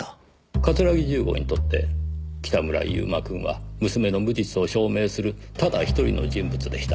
桂木重吾にとって北村悠馬くんは娘の無実を証明するただ一人の人物でした。